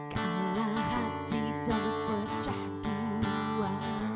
kala hati terpecah dua